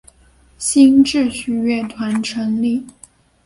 新秩序乐团成立。